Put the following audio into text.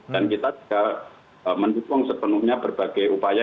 dan kita juga mendukung sepenuhnya berbagai upaya